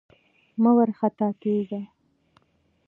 مه وارخطا کېږه!